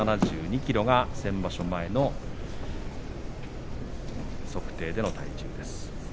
１７２ｋｇが先場所前の測定での体重です。